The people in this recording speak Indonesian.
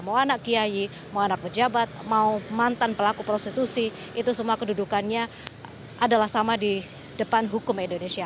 mau anak kiai mau anak pejabat mau mantan pelaku prostitusi itu semua kedudukannya adalah sama di depan hukum indonesia